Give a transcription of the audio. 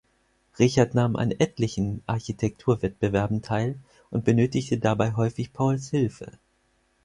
Richard nahm an etlichen Architekturwettbewerben teil und benötigte dabei häufig Pauls Hilfe.